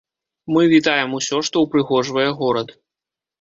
Мы вітаем усё, што ўпрыгожвае горад.